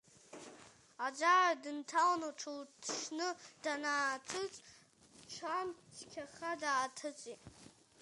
Аӡаҩа дынҭалан лҽылҭшьны данааҭыҵ, дҽан цқьаха дааҭыҵит.